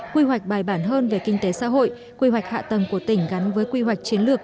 quy hoạch bài bản hơn về kinh tế xã hội quy hoạch hạ tầng của tỉnh gắn với quy hoạch chiến lược